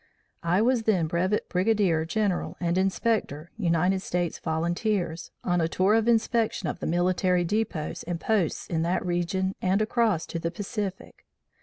I was then Brevet Brigadier General and Inspector United States Volunteers, on a tour of inspection of the military depots and posts in that region and across to the Pacific.